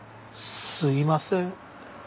すいません。